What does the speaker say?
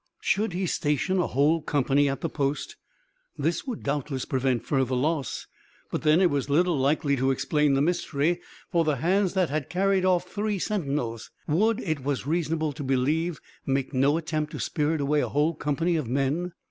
Should he station a whole company at the post? This would doubtless prevent further loss; but then it was little likely to explain the mystery; for the hands that had carried off three sentinels, would, it was reasonable to believe, make no attempt to spirit away a whole company of men.